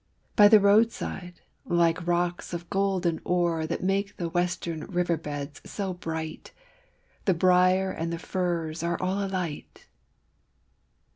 By the roadside, like rocks of golden ore That make the western river beds so bright, The briar and the furze are all alight!